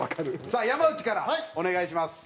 さあ山内からお願いします。